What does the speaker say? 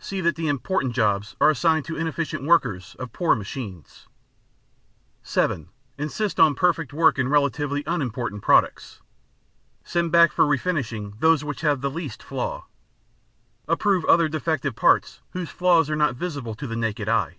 See that the important jobs are assigned to inefficient workers of poor machines. (7) Insist on perfect work in relatively unimportant products; send back for refinishing those which have the least flaw. Approve other defective parts whose flaws are not visible to the naked eye.